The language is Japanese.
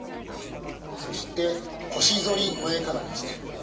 そして腰反り前かがみですね。